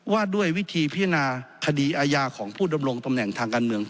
ว่าด้วยวิธีพิจารณาคดีอาญาของผู้ดำรงตำแหน่งทางการเมือง